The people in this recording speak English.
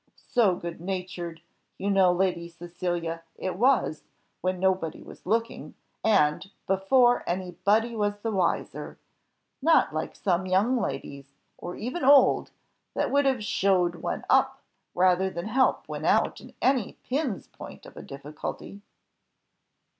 So good natured, you know, Lady Cecilia, it was, when nobody was looking, and before any body was the wiser. Not like some young ladies, or old even, that would have showed one up, rather than help one out in any pin's point of a difficulty."